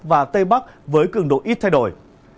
và tây bắc với cường độ ít thay đổi